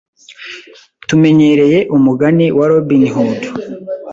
Tumenyereye umugani wa Robin Hood.